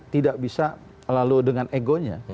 tidak bisa lalu dengan egonya